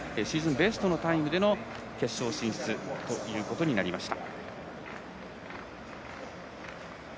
ベストのタイムでの決勝進出ということになりました。